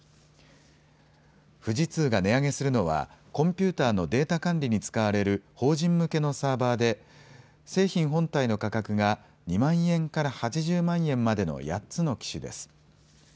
富士通が値上げするのはコンピューターのデータ管理に使われる法人向けのサーバーで製品本体の価格が２万円から８０万円までの８つの機種です。